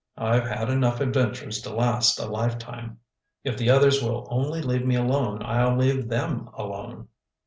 I've had enough adventures to last a lifetime. If the others will only leave me alone I'll leave them alone."